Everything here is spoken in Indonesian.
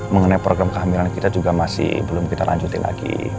mengenai program kehamilan kita juga masih belum kita lanjutin lagi